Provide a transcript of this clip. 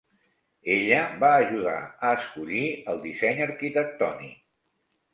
Ella va ajudar a escollir el disseny arquitectònic.